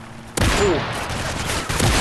Пуб